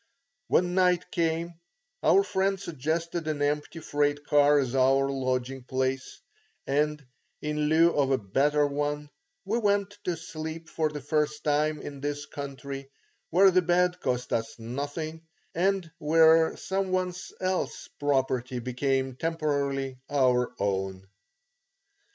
When night came, our friend suggested an empty freight car as our lodging place, and in lieu of a better one, we went to sleep for the first time in this country, where the bed cost us nothing, and where some one's else property became temporarily our own.